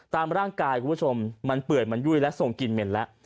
ตามร่างกายคุณผู้ชมมันเปื่อยมันยุ่ยและส่งกลิ่นเหม็นแล้ว